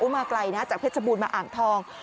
มาไกลนะจากเพชรบูรณมาอ่างทอง